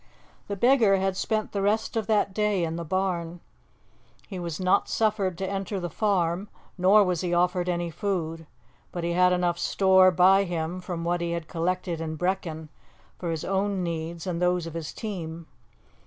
The beggar had spent the rest of that day in the barn. He was not suffered to enter the farm, nor was he offered any food; but he had enough store by him from what he had collected in Brechin for his own needs and those of his team.